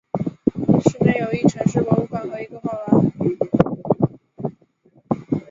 市内有一城市博物馆和一个画廊。